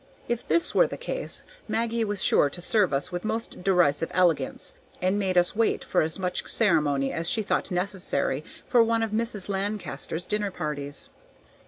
If this were the case Maggie was sure to serve us with most derisive elegance, and make us wait for as much ceremony as she thought necessary for one of Mrs. Lancaster's dinner parties.